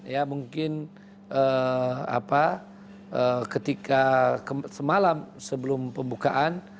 ya mungkin ketika semalam sebelum pembukaan